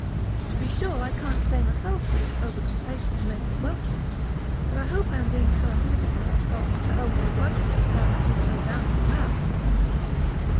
To be sure, I can't say myself as she was over complaisant to make us welcome; but I hope I am above being so unpitiful as for to owe her a grudge for it now she's so down in the mouth."